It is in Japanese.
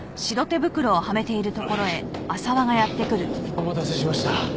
お待たせしました。